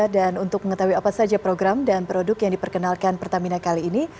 dan untuk mengetahui apa saja program dan produk yang diperkenalkan pertamina kali ini